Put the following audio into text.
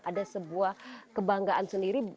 ada sebuah kebanggaan sendiri